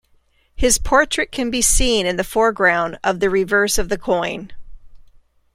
His portrait can be seen in the foreground of the reverse of the coin.